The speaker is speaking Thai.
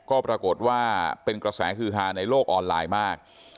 ก็ปรากฏว่าเป็นกระแสฮือฮาในโลกออนไลน์มาก